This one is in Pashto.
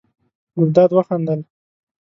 ګلداد وخندل.